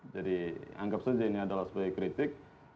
jadi anggap saja ini adalah sebagai kritik